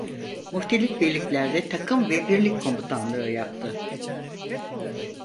Muhtelif birliklerde takım ve birlik komutanlığı yaptı.